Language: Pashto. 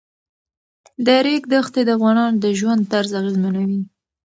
د ریګ دښتې د افغانانو د ژوند طرز اغېزمنوي.